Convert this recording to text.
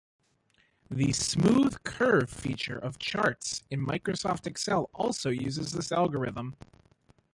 The "smooth curve" feature of charts in Microsoft Excel also uses this algorithm.